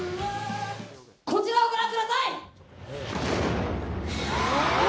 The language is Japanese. こちらをご覧ください！